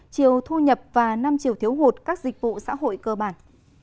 chiều thu nhập và năm chiều thiếu hụt các dịch vụ xã hội cơ bản